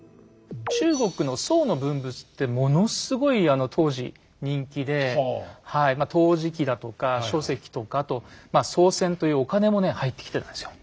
中国の宋の文物ってものすごい当時人気で陶磁器だとか書籍とかあと宋銭というお金もね入ってきてたんですよ。